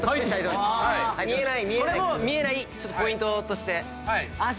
これも見えないポイントとして。